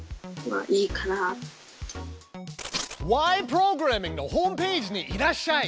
プログラミング」のホームページにいらっしゃい！